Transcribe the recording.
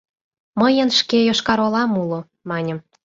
Мыйын шке Йошкар-Олам уло! — маньым.